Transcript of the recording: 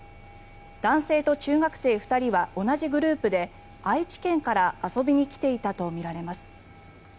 男性と中学生２人は同じグループで愛知県から遊びに来ていたとみられます。